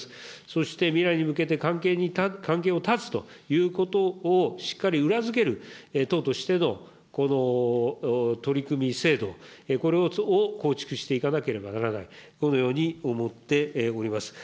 そして未来に向けて関係を断つということを、しっかり裏付ける、党としての取り組み、制度、これを構築していかなければならない、このように思っております。